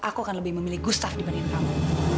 aku akan lebih memilih gustaf dibandingin kamu